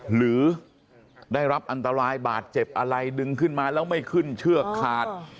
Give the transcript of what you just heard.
หรือได้รับอันตรายบาดเจ็บอะไรดึงขึ้นมาแล้วไม่ขึ้นเชือกขาด